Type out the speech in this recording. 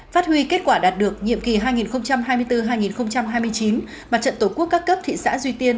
phát huy kết quả đạt được nhiệm kỳ hai nghìn hai mươi bốn hai nghìn hai mươi chín mặt trận tổ quốc các cấp thị xã duy tiên